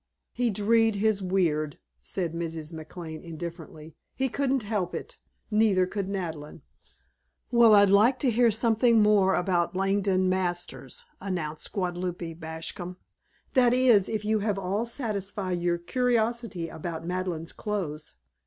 "He dreed his weird," said Mrs. McLane indifferently. "He couldn't help it. Neither could Madeleine." "Well, I'd like to hear something more about Langdon Masters," announced Guadalupe Bascom. "That is, if you have all satisfied your curiosity about Madeleine's clothes.